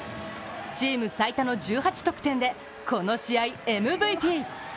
チーム最多の１８得点でこの試合ＭＶＰ。